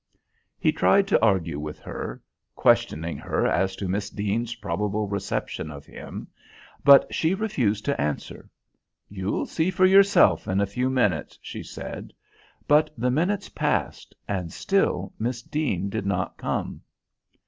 He tried to argue with her, questioning her as to Miss Deane's probable reception of him, but she refused to answer. "You'll see for yourself in a few minutes," she said; but the minutes passed and still Miss Deane did not come.